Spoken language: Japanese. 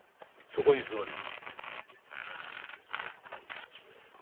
そこに座れ。